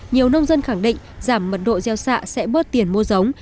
nhiều nông dân khẳng định giảm mật độ gieo xạ sẽ bớt tiền mua giống